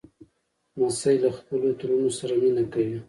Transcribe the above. لمسی له خپلو ترونو سره مینه کوي.